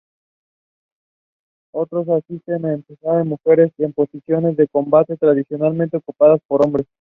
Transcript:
Otros asisten en emplear mujeres en posiciones de combate tradicionalmente ocupadas por hombres.